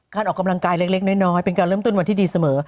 ออกกำลังกายเล็กน้อยเป็นการเริ่มต้นวันที่ดีเสมอ